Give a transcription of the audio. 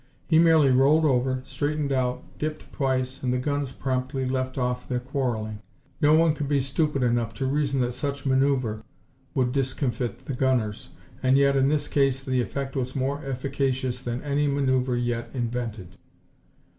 He merely rolled over, straightened out, dipped twice, and the guns promptly left off their quarreling. No one could be stupid enough to reason that such manoeuver would discomfit the gunners, and yet in this case the effect was more efficacious than any manoeuver yet invented.